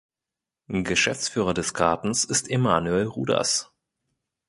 Geschäftsführer des Gartens ist Emanuel Rudas.